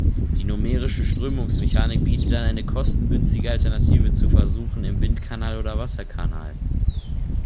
Die numerische Strömungsmechanik bietet dann eine kostengünstige Alternative zu Versuchen im Windkanal oder Wasserkanal.